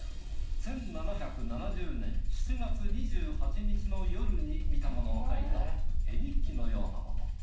１７７０年７月２８日の夜に見たものを描いた絵日記のようなもの。